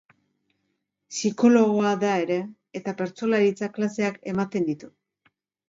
Psikologoa da ere eta bertsolaritza klaseak ematen ditu.